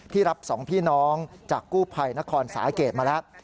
รับ๒พี่น้องจากกู้ภัยนครสาเกตมาแล้ว